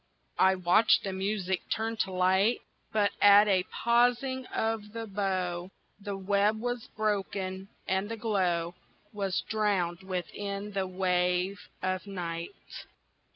I watched the music turn to light, But at the pausing of the bow, The web was broken and the glow Was drowned within the wave of night.